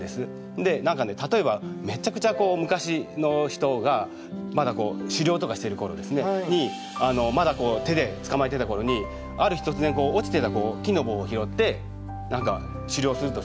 で例えばめちゃくちゃ昔の人がまだ狩猟とかしてる頃にまだ手で捕まえてた頃にある日突然落ちてた木の棒を拾って狩猟するとするじゃないですか。